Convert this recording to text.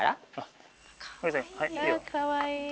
あかわいい。